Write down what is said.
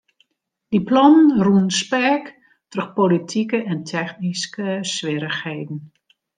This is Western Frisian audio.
Dy plannen rûnen speak troch politike en technyske swierrichheden.